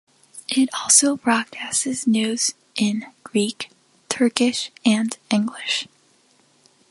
It also broadcasts news in Greek, Turkish and English.